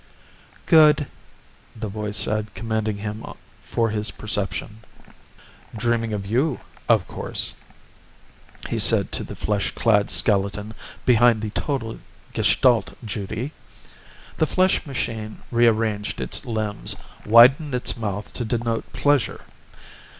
"Good," the voice said, commending him for his perception. "Dreaming of you, of course," he said to the flesh clad skeleton behind the total gestalt Judy. The flesh machine rearranged its limbs, widened its mouth to denote pleasure.